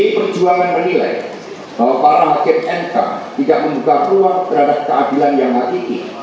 perjualan menilai bahwa para hakim mk tidak membuka ruang terhadap keadilan yang mengatiki